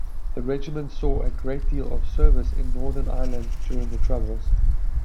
The regiment saw a great deal of service in Northern Ireland during the troubles.